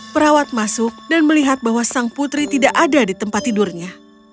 perawat masuk dan melihat bahwa sang putri tidak ada di tempat tidurnya